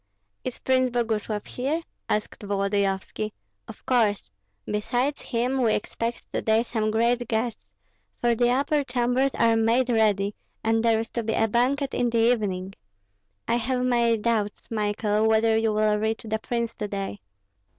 "Is Prince Boguslav here?" asked Volodyovski. "Of course. Besides him we expect to day some great guests, for the upper chambers are made ready, and there is to be a banquet in the evening. I have my doubts, Michael, whether you will reach the prince to day."